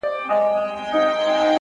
زحمت د بریا دروازه پرانیزي!